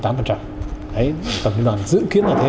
đấy tổng liên đoàn dự kiến là thế